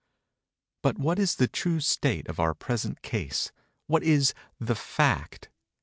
But what is the true state of our present case? What is the fact?